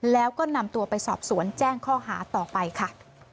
แล้วก็นำตัวไปสอบสวนแจ้งข้อหาต่อไปค่ะ